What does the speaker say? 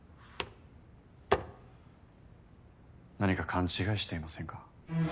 何か勘違いしていませんか？